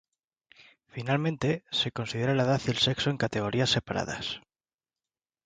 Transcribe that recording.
Finalmente, se considera la edad y el sexo en categorías separadas.